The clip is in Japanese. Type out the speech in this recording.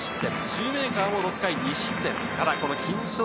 シューメーカーも６回２失点。